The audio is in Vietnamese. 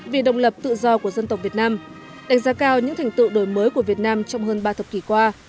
vì đồng lập tự do của dân tộc việt nam đánh giá cao những thành tựu đổi mới của việt nam trong hơn ba thập kỷ qua